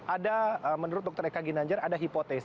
ada menurut dr eka ginanjar ada hipotesis